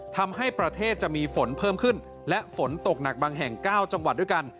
ทำให้ประเทศจะมีฝนเพิ่มขึ้นและฝนตกหนักบางแห่ง๙จังหวัดด้วยกัน